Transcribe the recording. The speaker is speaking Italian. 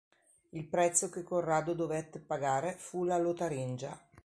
Il prezzo che Corrado dovette pagare fu la Lotaringia.